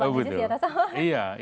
pak nge jazz di atas awan